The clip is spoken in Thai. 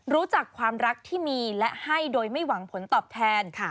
รู้จักความรักที่มีและให้โดยไม่หวังผลตอบแทน